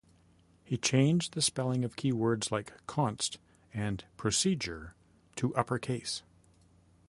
He changed the spelling of keywords like const and procedure to uppercase.